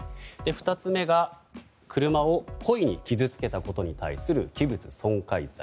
２つ目が車を故意に傷つけたことに対する器物損壊罪。